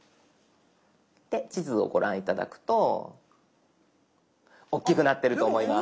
で地図をご覧頂くと大きくなってると思います。